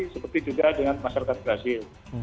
seperti juga dengan masyarakat brazil